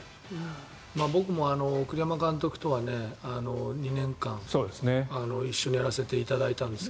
僕も栗山監督とは２年間、一緒にやらせていただいたんですが。